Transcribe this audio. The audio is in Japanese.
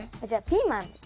じゃあピーマン。